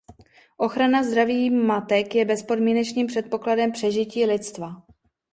Ochrana zdraví matek je bezpodmínečným předpokladem přežití lidstva.